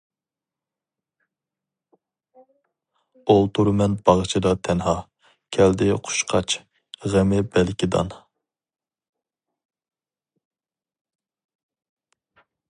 ئولتۇرىمەن باغچىدا تەنھا، كەلدى قۇشقاچ، غېمى بەلكى دان.